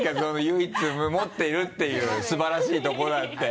唯一持ってるっていう素晴らしいとこだって。